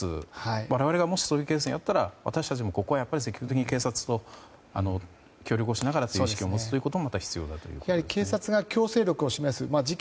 我々がもしそういうケースに遭ったらここは積極的に警察と協力しながらという意識を持つことも警察が強制力を示す